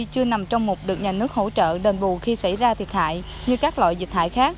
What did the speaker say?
chưa nằm trong một được nhà nước hỗ trợ đền bù khi xảy ra thiệt hại như các loại dịch hại khác